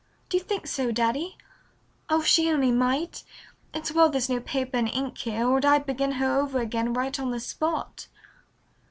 "Do you think so, Daddy? Oh, if she only might! It's well there's no paper and ink here or I'd begin her over again right on the spot."